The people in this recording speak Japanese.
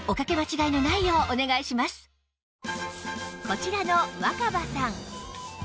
こちらの若葉さん